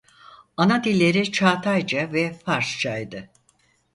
Ana dilleri Çağatayca ve Farsçaydı.